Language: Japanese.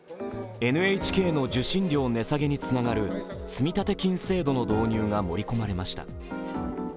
ＮＨＫの受信料値下げにつながる積立金制度の導入が盛り込まれました。